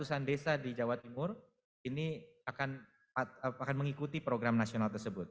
tujuh ribu tujuh ratus an desa di jawa timur ini akan mengikuti program nasional tersebut